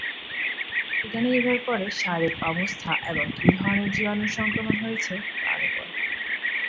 এটা নির্ভর করে শারীরিক অবস্থা এবং কি ধরনের জীবাণুর সংক্রমণ হয়েছে তার উপর।